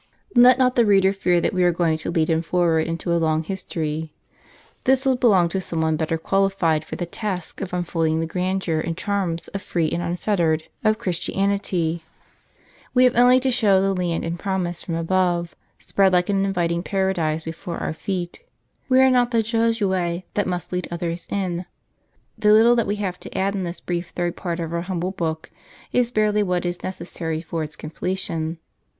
Let not the reader fear that we are going to lead him forward into a long his tory. This will belong to some one better qualified, for the task of unfolding the grandeur and charms of free and unfettered of Christianity. We have only to show the land of promise from above, spread like an inviting paradise before our feet ; we are not the Josue that must lead others in. The little that we have to add in this brief third part of our humble book, is barely what is neces sary for its completion.